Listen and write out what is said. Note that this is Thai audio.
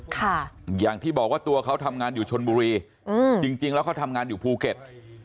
ค่ะอย่างที่บอกว่าตัวเขาทำงานอยู่ชนบุรีอืมจริงจริงแล้วเขาทำงานอยู่ภูเก็ต